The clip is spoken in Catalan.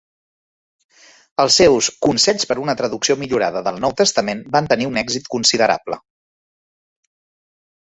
Els seus "Consells per una traducció millorada del Nou Testament" van tenir un èxit considerable.